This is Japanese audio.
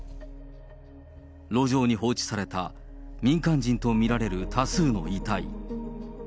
路上に放置された民間人と見られる多数の遺体。